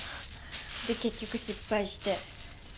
で結局失敗して。